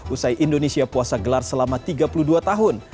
usai indonesia puasa gelar selama tiga puluh dua tahun